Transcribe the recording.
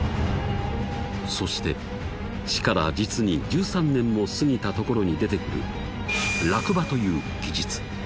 そして死から実に１３年も過ぎたところに出てくる「落馬」という記述。